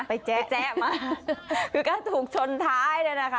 แจ๊แจ๊มาคือการถูกชนท้ายเนี่ยนะคะ